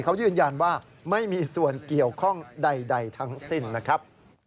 เขายืนยันว่าไม่มีส่วนเกี่ยวข้องใดทั้งสิ้นนะครับ